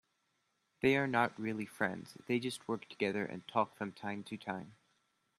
They are not really friends, they just work together and talk from time to time.